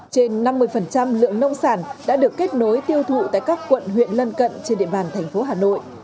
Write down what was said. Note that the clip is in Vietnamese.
trên năm mươi lượng nông sản đã được kết nối tiêu thụ tại các quận huyện lân cận trên địa bàn thành phố hà nội